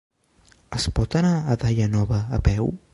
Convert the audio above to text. Es pot anar a Daia Nova a peu?